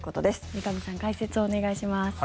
三上さん、解説をお願いします。